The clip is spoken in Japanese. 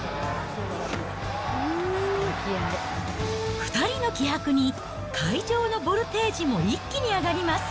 ２人の気迫に、会場のボルテージも一気に上がります。